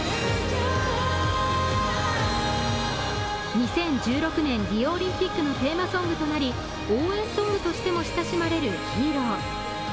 ２０１６年リオオリンピックのテーマソングとなり応援ソングとしても親しまれる「Ｈｅｒｏ」。